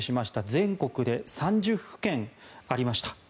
全国で３０府県ありました。